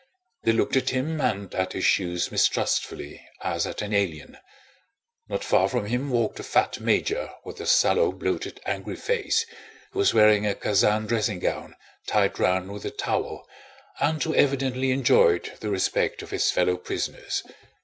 They looked at him and at his shoes mistrustfully, as at an alien. Not far from him walked a fat major with a sallow, bloated, angry face, who was wearing a Kazán dressing gown tied round with a towel, and who evidently enjoyed the respect of his fellow prisoners.